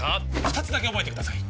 二つだけ覚えてください